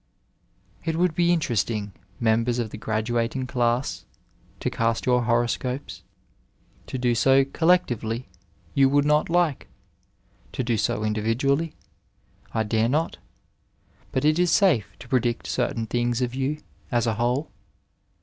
It would be interesting, Members of the Qraduating Class, to cast your horoscopes. To do so collectively you would not like ; to do so individually — I dare not ; but it is safe to predict certain things of you, as a whole.